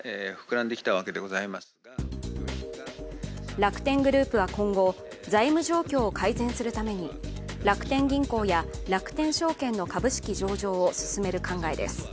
楽天グループは今後、財務状況を改善するために楽天銀行や楽天証券の株式上場を進める考えです。